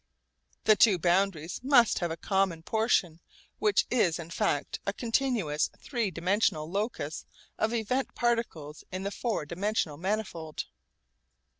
The two boundaries must have a common portion which is in fact a continuous three dimensional locus of event particles in the four dimensional manifold.